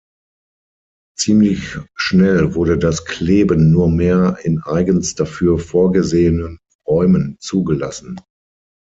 Ziemlich schnell wurde das Kleben nur mehr in eigens dafür vorgesehenen Räumen zugelassen.